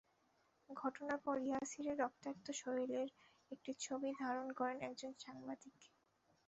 ঘটনার পর ইয়াসিরের রক্তাক্ত শরীরের একটি ছবি ধারণ করেন একজন সাংবাদিক।